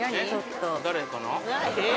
誰かな？